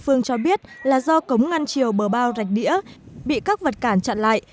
phương cho biết là do cống ngăn chiều bờ bao rạch đĩa bị các vật cản chặn lại